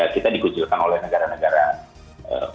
kita dikucilkan oleh negara negara